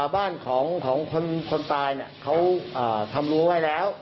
บ้านของคนตายเขาทำรั้วไว้แล้ว